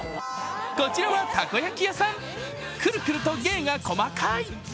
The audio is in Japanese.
こちらはたこ焼き屋さん、くるくると芸が細かい。